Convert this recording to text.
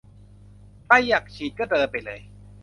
ใครอยากฉีดก็เดินไปเลย